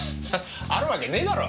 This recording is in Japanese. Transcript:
あるわけねえだろ！